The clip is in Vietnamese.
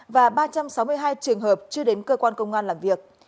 và ba trăm sáu mươi hai trường hợp chưa đến cơ quan công an làm việc